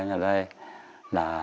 ở đây là